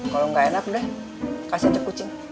kalo gak enak deh kasih ngecek kucing